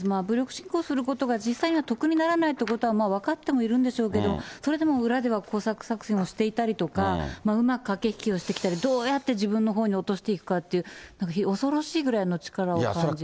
武力侵攻することが実際には得にならないということは分かってもいるんでしょうけれども、それでも裏では工作作戦をしていたりとか、うまく駆け引きをしてきたり、どうやって自分のほうに落としていくかっていう、恐ろしいぐらいの力を感じます。